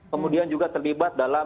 kemudian juga terlibat dalam